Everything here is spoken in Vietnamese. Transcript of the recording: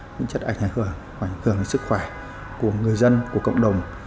những chất ảnh hưởng về sức khỏe của người dân của cộng đồng